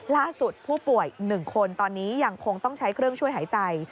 ล่าสุดผู้ป่วย๑คนตอนนี้ยังคงต้องใช้เครื่องช่วยหายใจ